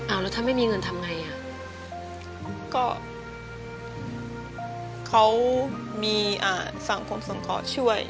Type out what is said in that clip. อ่าแล้วถ้าไม่มีเงินทำไงอ่ะก็เขามีอ่าสั่งคนส่งขอช่วย